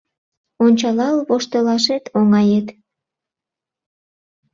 Ончалал воштылашет оҥает.